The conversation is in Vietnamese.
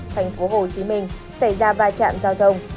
thành phố hồ chí minh xảy ra ba trạm giao thông